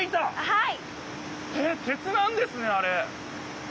はい！